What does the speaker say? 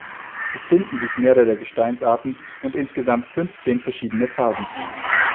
Es finden sich mehrere Gesteinsarten und insgesamt fünfzehn verschiedene Farben.